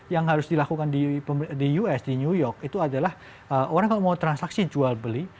yang harus dilakukan di us di new york itu adalah orang kalau mau transaksi jual beli